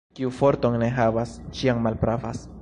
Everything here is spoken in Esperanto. Kiu forton ne havas, ĉiam malpravas.